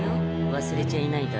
忘れちゃいないだろうね？